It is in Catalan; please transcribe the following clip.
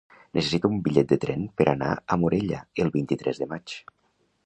Necessito un bitllet de tren per anar a Morella el vint-i-tres de maig.